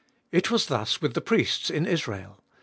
It was thus with the priests in Israel.